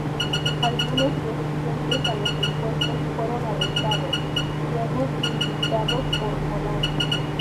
Algunos resistentes a los impuestos fueron arrestados, luego indultados por Adams.